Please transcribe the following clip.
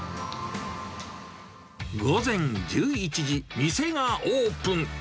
午前１１時、店がオープン。